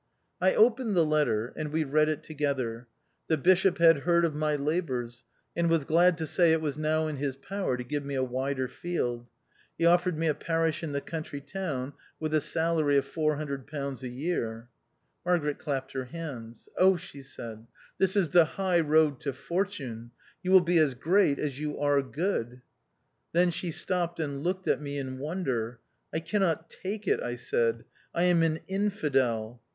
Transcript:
I opened the letter, and we read it together. The Bishop had heard of my labours, and was glad to say, it was now in his power to give me a wider field. He offered me a parish in the county town, with a salary of £800 a year. Margaret clapped her hands. "Oh," she said, " this is the high road to fortune. You will be as great as you are good." Then she stopped and looked at me in wonder. " I cannot take it," I said ;" I am an infidel."